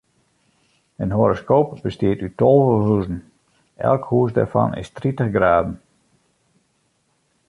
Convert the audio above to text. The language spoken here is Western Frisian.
In horoskoop bestiet út tolve huzen, elk hûs dêrfan is tritich graden.